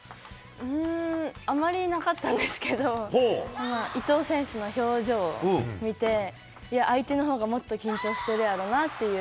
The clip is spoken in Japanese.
うーん、あまりなかったんですけど、伊藤選手の表情見て、相手のほうがもっと緊張してるやろなっていう。